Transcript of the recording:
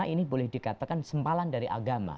yang mana ini boleh dikatakan sempalan dari agama